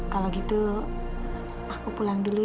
kalau gitu aku pulang dulu